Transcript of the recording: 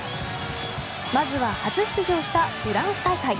まずは初出場したフランス大会。